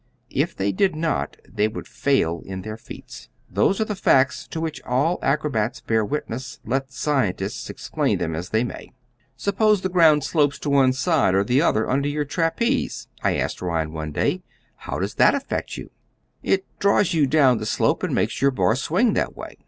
If they did not they would fail in their feats. Those are the facts to which all acrobats bear witness, let scientists explain them as they may. "Suppose the ground slopes to one side or the other under your trapeze," I asked Ryan, one day. "How does that affect you?" "It draws you down the slope, and makes your bar swing that way."